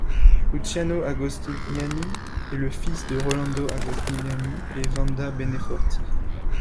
Luciano Agostiniani est le fils de Rolando Agostiniani et Vanda Beneforti.